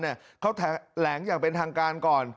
อย่างแหลงเป็นทางการก่อน